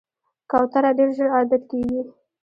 کوتره ډېر ژر عادت کېږي.